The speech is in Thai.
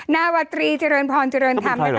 นาวตรีเจริญพรเจริญธรรมนะคะ